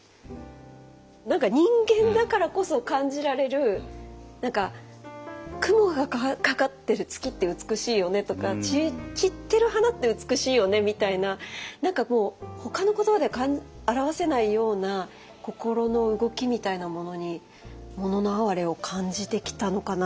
何か人間だからこそ感じられる雲がかかってる月って美しいよねとか散ってる花って美しいよねみたいな何かほかの言葉では表せないような心の動きみたいなものに「もののあはれ」を感じてきたのかな？